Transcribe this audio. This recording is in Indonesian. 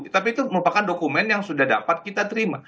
tapi itu merupakan dokumen yang sudah dapat kita terima